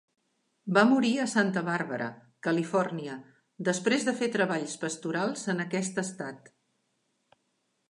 Va morir a Santa Bàrbara, Califòrnia, després de fer treballs pastorals en aquest estat.